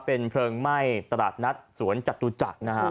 เป็นเพลิงไหม้ตลาดนัดสวนจตุจักรนะฮะ